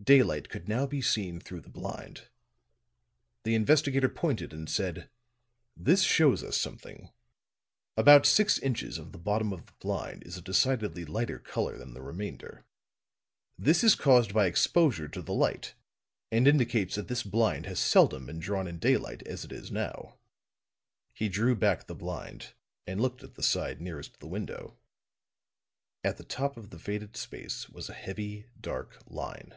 Daylight could now be seen through the blind; the investigator pointed and said: "This shows us something. About six inches of the bottom of the blind is of a decidedly lighter color than the remainder. This is caused by exposure to the light and indicates that this blind has seldom been drawn in daylight as it is now." He drew back the blind and looked at the side nearest the window. At the top of the faded space was a heavy dark line.